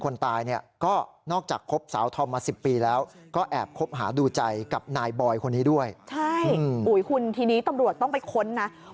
นี่ก็เลยเป็นหลักฐานนะฮะ